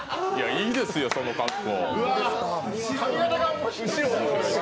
いいですよ、その格好。